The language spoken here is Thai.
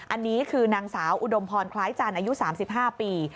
อันนี้คือนางสาวอุดมพรคล้ายจันทร์อายุ๓๕ปี